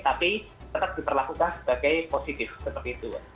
tapi tetap diperlakukan sebagai positif seperti itu